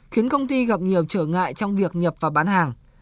khiến công ty gặp nhiều trở ngại trong việc nhập và bán hàng